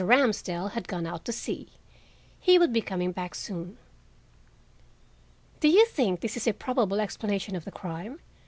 Ramsdell had gone out to see. He would be coming back soon. "Do you think this a probable explanation of the crime?"